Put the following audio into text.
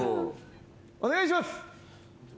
お願いします。